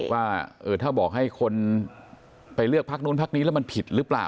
ว่าถ้าบอกให้คนไปเลือกพักนู้นพักนี้แล้วมันผิดหรือเปล่า